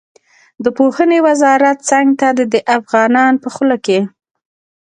د پوهنې وزارت څنګ ته د ده افغانان په خوله کې.